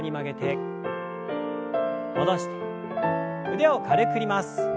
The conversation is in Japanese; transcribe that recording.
腕を軽く振ります。